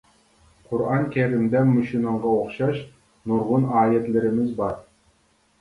قۇرئان كەرىمدە مۇشۇنىڭغا ئوخشاش، نۇرغۇن ئايەتلىرىمىز بار.